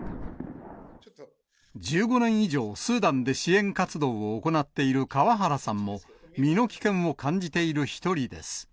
１５年以上、スーダンで支援活動を行っている川原さんも、身の危険を感じている一人です。